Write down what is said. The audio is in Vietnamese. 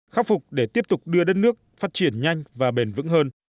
khắc phục để tiếp tục đưa đất nước phát triển nhanh và bền vững hơn